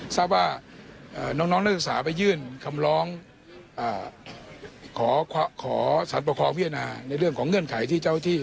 ทราบว่าน้องน้องเลือกสาไปยื่นคำล้องอ่าขอขอสัตว์ประคองเวียดนาในเรื่องของเงื่อนไขที่เจ้าที่